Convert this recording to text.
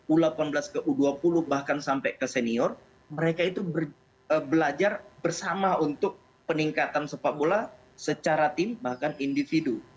u delapan belas ke u dua puluh bahkan sampai ke senior mereka itu belajar bersama untuk peningkatan sepak bola secara tim bahkan individu